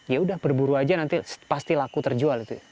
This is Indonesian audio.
yaudah berburu aja nanti pasti laku terjual itu